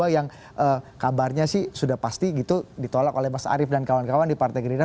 yang kabarnya sih sudah pasti gitu ditolak oleh mas arief dan kawan kawan di partai gerindra